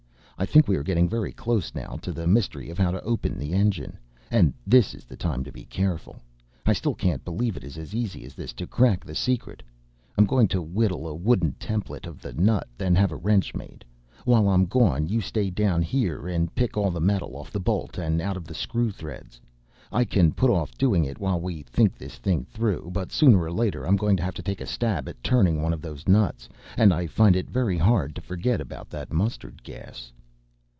I think we are getting very close now to the mystery of how to open the engine and this is the time to be careful. I still can't believe it is as easy as this to crack the secret. I'm going to whittle a wooden template of the nut, then have a wrench made. While I'm gone you stay down here and pick all the metal off the bolt and out of the screw threads. I can put off doing it while we think this thing through, but sooner or later I'm going to have to take a stab at turning one of those nuts. And I find it very hard to forget about that mustard gas."